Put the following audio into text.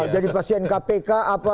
jadi pasien kpk apa